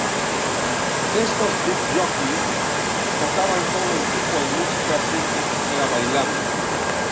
Estos disc jockeys tocaban todo tipo de música, siempre que fuera bailable.